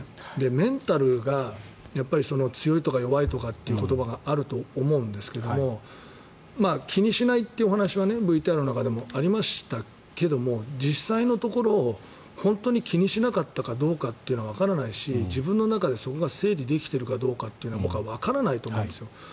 メンタルが強いとか弱いとかっていう言葉があると思うんですけど気にしないというお話はＶＴＲの中でもありましたが実際のところ本当に気にしなかったかどうかってのはわからないし、自分の中でそこが整理できているかどうかは僕はわからないと思うんです。